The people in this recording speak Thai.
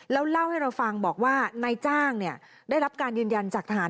แล้วเล่าให้เราฟังบอกว่านายจ้างได้รับการยืนยันจากทหาร